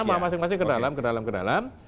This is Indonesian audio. sama masing masing ke dalam ke dalam ke dalam